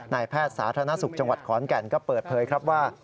แพทย์สาธารณสุขจังหวัดขอนแก่นก็เปิดเผยครับว่า